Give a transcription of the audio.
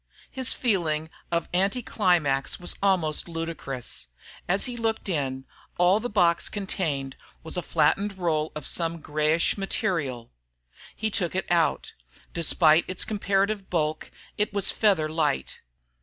His feeling of anticlimax was almost ludicrous. As he looked in, all the box contained was a flattened roll of some greyish material. He took it out; despite its comparative bulk, it was feather light.